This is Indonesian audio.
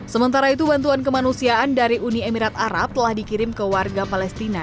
sementara itu bantuan kemanusiaan dari uni emirat arab telah dikirim ke warga palestina